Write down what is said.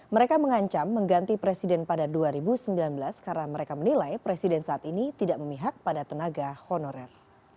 mereka mengancam mengganti presiden pada dua ribu sembilan belas karena mereka menilai presiden saat ini tidak memihak pada tenaga honorer